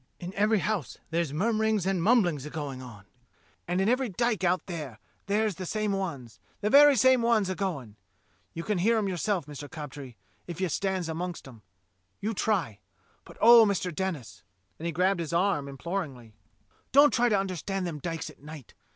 In every house there's murmur ings and mumblings a going on, and in every dyke out there there's the same ones, the very same ones a going. You can hear 'em yourself, Mister Cobtree, if THE COMING OF THE KING'S MEN 23 you stands amongst 'em. You try. But, oh. Mister Denis" — and he grabbed his arm imploringly — "don't try to understand them dykes at night.